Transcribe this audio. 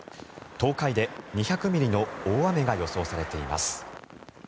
東海で２００ミリの大雨が予想されています。